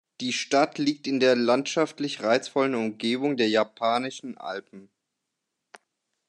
Die Stadt liegt in der landschaftlich reizvollen Umgebung der Japanischen Alpen.